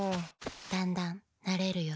だんだんなれるよ。